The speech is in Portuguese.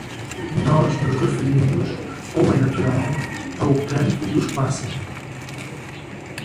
Nós nos referimos, como é natural, ao canto dos pássaros.